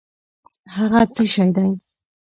هٔغه څه شی دی؟